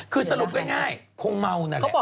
คือสรุปง่ายคงเมานั่นแหละ